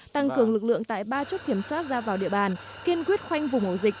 tăng cường lực lượng tại ba chốt kiểm soát ra vào địa bàn kiên quyết khoanh vùng ổ dịch